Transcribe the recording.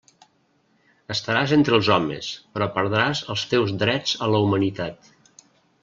Estaràs entre els homes, però perdràs els teus drets a la humanitat.